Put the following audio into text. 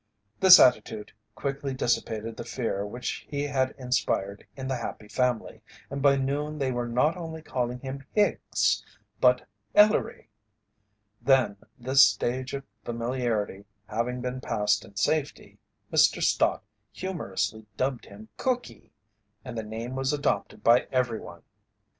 This attitude quickly dissipated the fear which he had inspired in The Happy Family, and by noon they were not only calling him "Hicks" but "Ellery." Then, this stage of familiarity having been passed in safety, Mr. Stott humorously dubbed him "Cookie," and the name was adopted by everyone. Mrs.